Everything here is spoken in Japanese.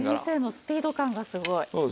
先生のスピード感がすごい。